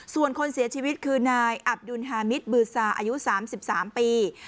ส่วนคนเสียชีวิตคือนายอับดุลฮามิตบือซาอายุ๓๓ปี